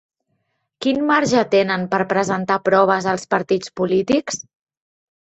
Quin marge tenen per presentar proves els partits polítics?